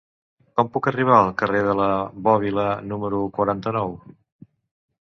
Com puc arribar al carrer de la Bòbila número quaranta-nou?